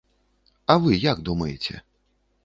А вы як думаеце?